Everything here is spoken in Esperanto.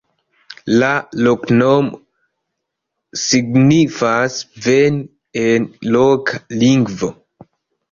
La loknomo signifas "veni" en loka lingvo.